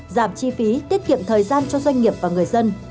giảm chi phí tiết kiệm thời gian cho doanh nghiệp và người dân